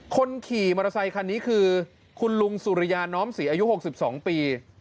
คนขี่มอเตอร์ไซคันนี้คือคุณลุงสุริยาน้อมศรีอายุ๖๒ปี